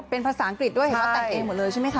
เป็นภาษาอังกฤษด้วยเห็นว่าแต่งเองหมดเลยใช่ไหมคะ